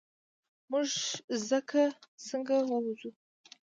مونږ څنګه ووځو؟